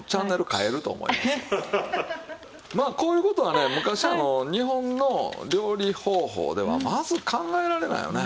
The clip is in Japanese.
まあこういう事はね昔日本の料理方法ではまず考えられないよね。